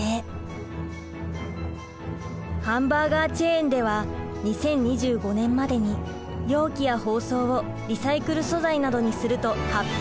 ハンバーガーチェーンでは２０２５年までに容器や包装をリサイクル素材などにすると発表。